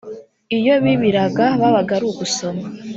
iyo bibiraga babaga ari ugusoma